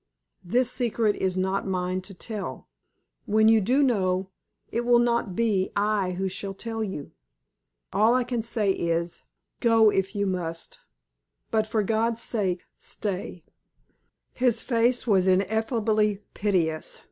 This secret is not mine to tell. When you do know, it will not be I who shall tell you. All I can say is, go if you must, but for God's sake stay!" His face was ineffably piteous.